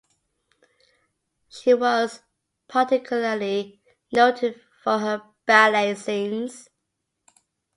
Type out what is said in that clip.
She was particularly noted for her ballet scenes.